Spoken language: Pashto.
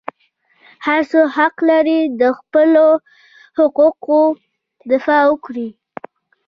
هر څوک حق لري د خپلو حقوقو دفاع وکړي.